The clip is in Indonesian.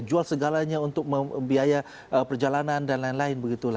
jual segalanya untuk membiaya perjalanan dan lain lain